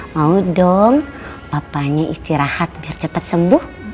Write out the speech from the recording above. mau dong papanya istirahat biar cepat sembuh